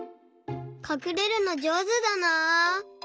かくれるのじょうずだな。